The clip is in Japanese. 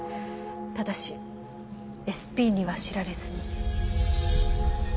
ただしＳＰには知られずに。